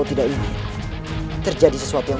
tidak ada gugutan